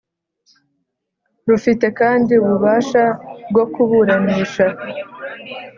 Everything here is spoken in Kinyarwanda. Rufite kandi ububasha bwo kuburanisha